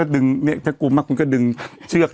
ถ้ากลัวมากคุณก็ดึงเชือกนั้น